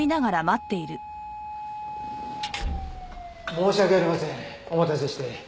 申し訳ありませんお待たせして。